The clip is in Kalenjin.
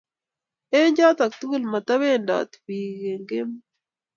eng choto tugul, matabendat biin kemoi